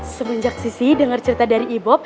semenjak sisi denger cerita dari ibu